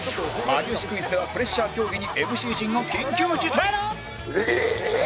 『有吉クイズ』ではプレッシャー競技に ＭＣ 陣が緊急事態